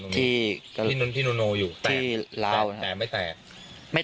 ที่โนโนอยู่ที่ล้าวนะครับ